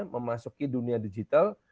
memasuki dunia digital